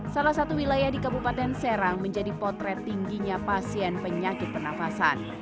salah satu wilayah di kabupaten serang menjadi potret tingginya pasien penyakit pernafasan